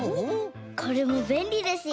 これもべんりですよ！